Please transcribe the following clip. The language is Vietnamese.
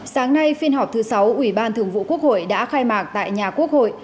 sáng nay phiên họp thứ sáu ủy ban thường vụ quốc hội đã khai mạc tại nhà quốc hội